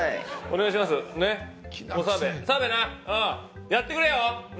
澤部やってくれよ！